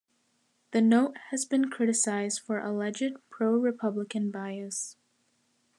"The Note" has been criticized for alleged pro-Republican bias.